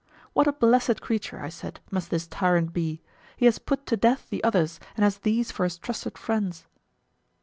What a blessed creature, I said, must this tyrant be; he has put to death the others and has these for his trusted friends.